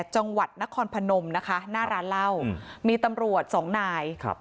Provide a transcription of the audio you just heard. จังหวัดนครพนมนะคะหน้าร้านเหล้าอืมมีตำรวจสองนายครับ